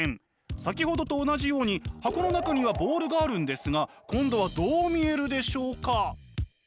先ほどと同じように箱の中にはボールがあるんですが今度はどう見えるでしょうか？